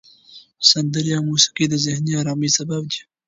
سندرې او موسیقي د ذهني آرامۍ سبب دي.